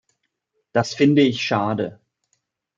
Das finde ich schade.